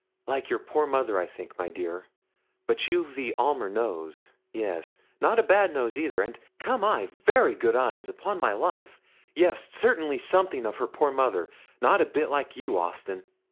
Like your poor mother, I think, my dear; but you've the Aylmer nose yes not a bad nose either, and, come! very good eyes, upon my life yes, certainly something of her poor mother not a bit like you, Austin.'